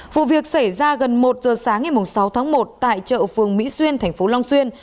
vụ việc xảy ra gần một giờ sáng ngày sáu tháng một tại chợ phường mỹ xuyên thành phố long xuyên